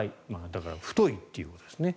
だから、太いということですね。